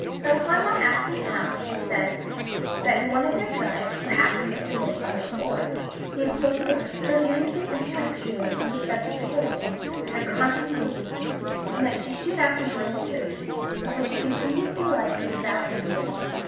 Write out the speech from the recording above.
Upon my asking how, she said that, in one of their drives, perhaps in the spring of 1804, he had spoken to her so seriously and scripturally on the subject of religion that her conscience was awakened, and she soon after joined the church, of which she continued through life a devout member.